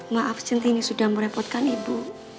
maaf centini sudah merepotkan ibu